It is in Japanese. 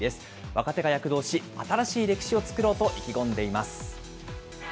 若手が躍動し、新しい歴史を作ろうと意気込んでいます。